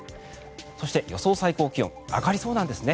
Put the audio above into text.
そして、予想最高気温上がりそうなんですね。